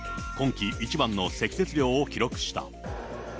今季一番の積雪量を記録した。